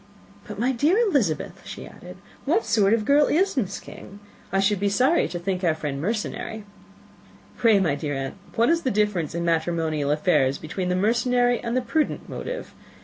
"But, my dear Elizabeth," she added, "what sort of girl is Miss King? I should be sorry to think our friend mercenary." "Pray, my dear aunt, what is the difference in matrimonial affairs, between the mercenary and the prudent motive?